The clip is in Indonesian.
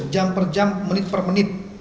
jam per jam menit per menit